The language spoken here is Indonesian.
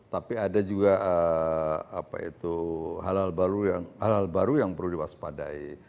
tapi ada juga halal baru yang perlu diwaspadai